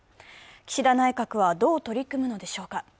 岸田内閣はどう取り組むのでしょうか。